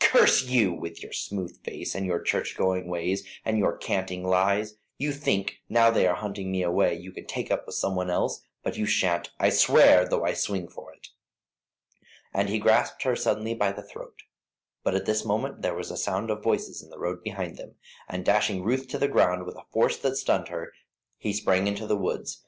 Curse you! with your smooth face, and your church going ways, and your canting lies. You think, now they are hunting me away, you can take up with some one else; but you shan't, I swear, though I swing for it." And he grasped her suddenly by the throat; but at this moment there was a sound of voices in the road behind them, and dashing Ruth to the ground with a force that stunned her, he sprang into the woods.